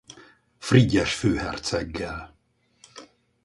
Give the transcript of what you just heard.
Frigyes főherceggel.